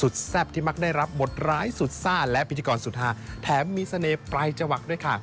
ก็จะรับบทรายสุทธาและพิธีกรสุทธาแถมมีเสน่ห์ปลายจะหวักด้วยค่ะ